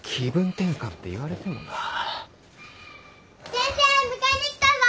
先生迎えに来たぞ！